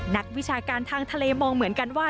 นักวิชาการทางทะเลมองเหมือนกันว่า